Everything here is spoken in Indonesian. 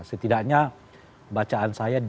setidaknya bacaan saya di dua ratus enam puluh delapan